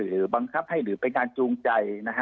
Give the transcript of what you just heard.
หรือบังคับหรือไปการจูงใจนะฮะ